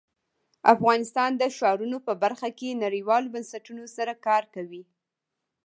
افغانستان د ښارونه په برخه کې نړیوالو بنسټونو سره کار کوي.